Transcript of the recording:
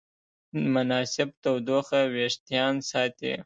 مناسب تودوخه وېښتيان ساتي.